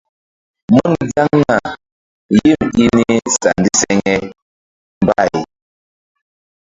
Mun zaŋna yim i ni sa ndiseŋe mbay.